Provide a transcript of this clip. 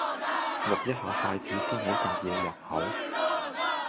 淥一下筷子先好夾野入口